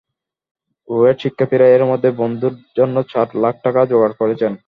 রুয়েট শিক্ষার্থীরা এরই মধ্যে বন্ধুর জন্য চার লাখ টাকা জোগাড় করেছেন।